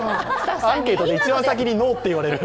アンケートで一番先にノーって言われる。